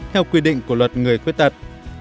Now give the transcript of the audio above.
theo quy định của luật người khuyết tật